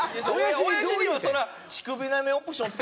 おやじにはそれは「乳首なめオプションつけたい」